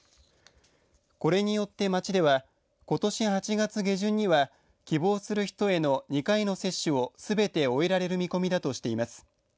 これによって、町ではことし８月下旬には希望する人への２回の接種をすべてを終えられる見込みだとしています。